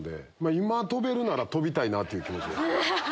今飛べるなら飛びたいなっていう気持ちです。